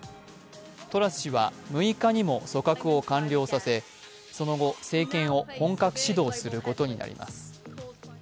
トラス氏は６日にも組閣を完了させその後、政権を本格始動することになります。